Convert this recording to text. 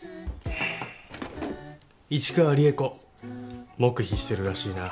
市川利枝子黙秘してるらしいな。